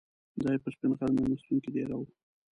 دای په سپین غر میلمستون کې دېره و.